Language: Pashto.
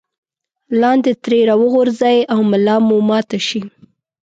لاندې ترې راوغورځئ او ملا مو ماته شي.